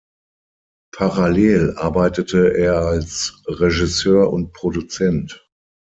Parallel arbeitete er als Regisseur und Produzent.